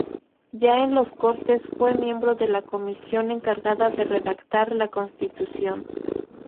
Ya en las Cortes, fue miembro de la comisión encargada de redactar la Constitución.